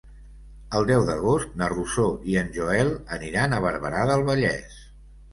El deu d'agost na Rosó i en Joel aniran a Barberà del Vallès.